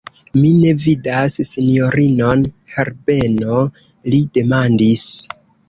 Mi ne vidas sinjorinon Herbeno, li demandis.